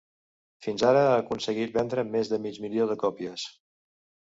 Fins ara ha aconseguit vendre més de mig milió de còpies.